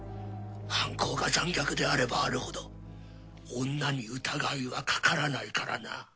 犯行が残虐であればあるほど女に疑いはかからないからな